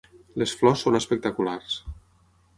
Les flors són espectaculars.